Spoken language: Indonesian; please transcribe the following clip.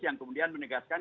yang kemudian menegaskan